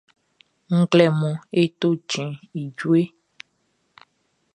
Nglɛmunʼn, e to cɛnʼn i jueʼn.